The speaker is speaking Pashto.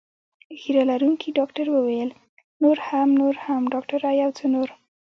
ږیره لرونکي ډاکټر وویل: نور هم، نور هم، ډاکټره یو څه نور.